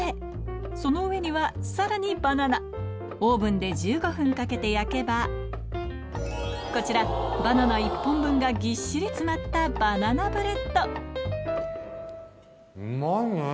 その上にはさらにバナナオーブンで１５分かけて焼けばこちらバナナ１本分がぎっしり詰まったバナナブレッドうまいね。